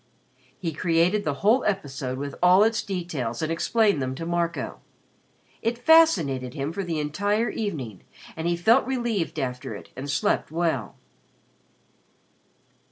He created the whole episode with all its details and explained them to Marco. It fascinated him for the entire evening and he felt relieved after it and slept well.